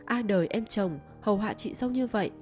a đời em chồng hầu hạ chị dâu như vậy